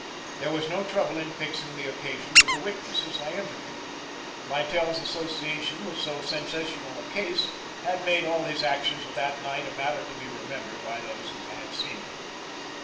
There was no trouble in fixing the occasion with the witnesses I interviewed. Littell's association with so sensational a case had made all his actions of that night a matter to be remembered by those who had seen him.